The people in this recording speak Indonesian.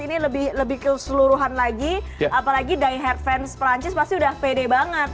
jangan lupa perjuangan perancis ini lebih ke seluruhan lagi apalagi diehard fans perancis pasti udah pede banget